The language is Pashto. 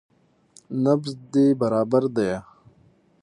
نبض دې برابر ديه.